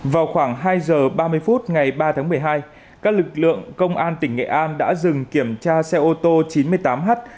vào khoảng hai giờ ba mươi phút ngày ba tháng một mươi hai các lực lượng công an tỉnh nghệ an đã dừng kiểm tra xe ô tô chín mươi tám h một nghìn ba trăm một mươi sáu